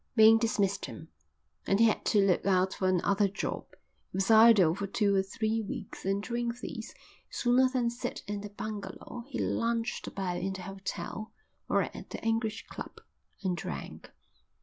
Bain dismissed him, and he had to look out for another job. He was idle for two or three weeks and during these, sooner than sit in the bungalow, he lounged about in the hotel or at the English Club, and drank.